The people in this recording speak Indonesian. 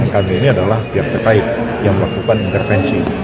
kami ini adalah pihak terkait yang melakukan intervensi